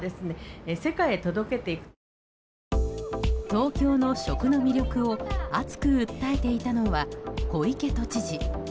東京の食の魅力を熱く訴えていたのは小池都知事。